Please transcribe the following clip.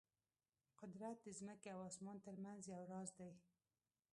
قدرت د ځمکې او اسمان ترمنځ یو راز دی.